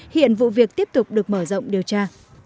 hiện vụ việc tiếp tục được mở rộng điều tra